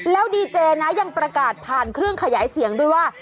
แล้วดีเจนะยังประกาศผ่านเครื่องขยายเสียงด้วยว่า